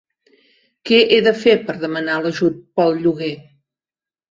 Que he de fer per demanar l'ajut pel lloguer?